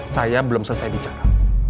saya belum selesai bicara